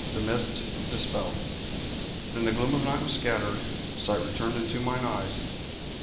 THE MISTS DISPELLED. Then the gloom of night was scattered, Sight returned unto mine eyes.